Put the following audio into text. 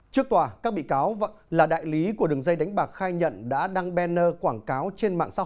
trước tòa các bị cáo là đại lý của đường dây đánh bạc khai nhận đã đăng banner quảng cáo trên mạng xã hội